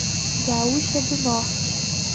Gaúcha do Norte